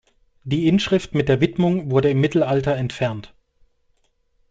Die Inschrift mit der Widmung wurde im Mittelalter entfernt.